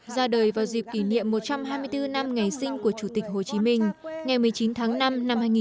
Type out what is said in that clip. ra đời vào dịp kỷ niệm một trăm hai mươi bốn năm ngày sinh của chủ tịch hồ chí minh ngày một mươi chín tháng năm năm hai nghìn một mươi chín